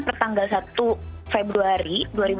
pertanggal satu februari